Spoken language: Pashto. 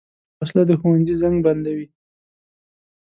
وسله د ښوونځي زنګ بندوي